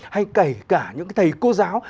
hay kể cả những cái thầy cô giáo